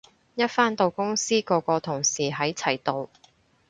一返到公司個個同事喺齊度